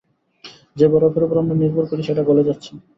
যে বরফের উপর আমরা নির্ভর করি সেটা গলে যাচ্ছে।